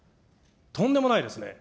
とんでもないですね。